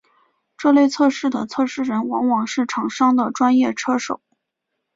这类测试的测试人往往是厂商的专业车手。